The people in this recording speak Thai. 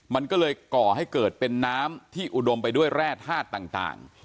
มันก็เลยก่อให้เกิดเป็นน้ำที่อุดมไปด้วยแร่ธาตุต่าง